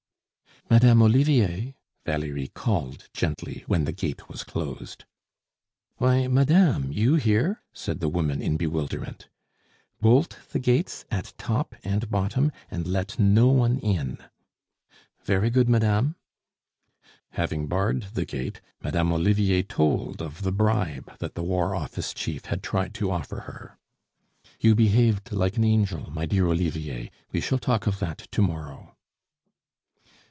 "Madame Olivier," Valerie called gently when the gate was closed. "Why, madame! You here?" said the woman in bewilderment. "Bolt the gates at top and bottom, and let no one in." "Very good, madame." Having barred the gate, Madame Olivier told of the bribe that the War Office chief had tried to offer her. "You behaved like an angel, my dear Olivier; we shall talk of that to morrow."